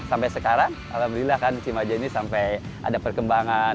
sampai sekarang alhamdulillah kan cimaja ini sampai ada perkembangan